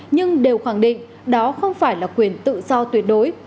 nhưng đều khẳng định đó không phải là quyền tự do tuyệt đối